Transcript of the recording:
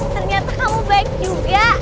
ternyata kamu baik juga